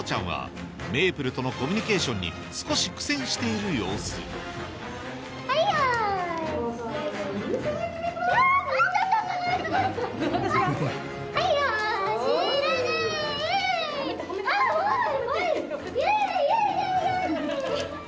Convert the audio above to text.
はい。